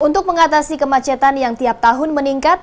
untuk mengatasi kemacetan yang tiap tahun meningkat